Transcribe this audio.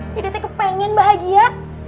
dedete kepengen bahagia